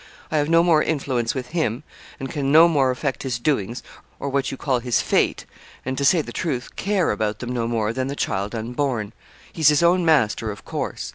I have no more influence with him, and can no more affect his doings, or what you call his fate and, to say the truth, care about them no more than the child unborn. He's his own master, of course.